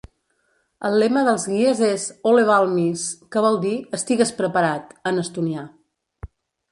El lema dels guies és "Ole Valmis", que vol dir "Estigues preparat" en estonià.